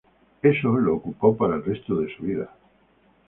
Eso lo ocupó para el resto de su vida.